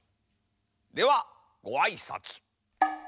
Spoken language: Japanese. ではごあいさつ。